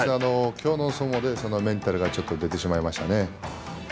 きょうの相撲でそのメンタルが出てしまいましたね。